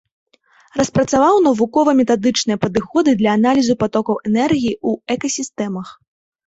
Распрацаваў навукова-метадычныя падыходы для аналізу патокаў энергіі ў экасістэмах.